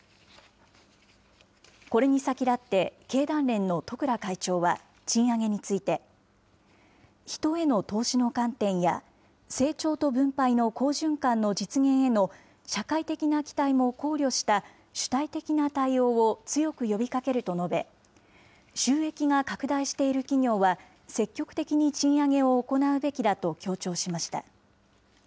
これに先立って、経団連の十倉会長は賃上げについて、人への投資の観点や、成長と分配の好循環の実現への社会的な期待も考慮した主体的な対応を強く呼びかけると述べ、収益が拡大している企業は、積極的に賃上げを行うべきだと強調しました。